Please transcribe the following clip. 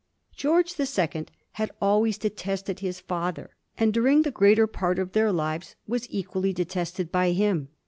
George the Second had always detested his father, and during the greater part of their lives was equally detested by him.